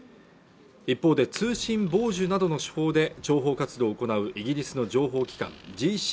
一方で通信傍受などの手法で諜報活動を行うイギリスの情報機関